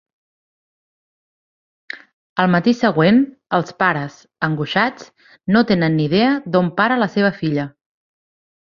Al matí següent, els pares, angoixats, no tenen ni idea d'on para la seva filla.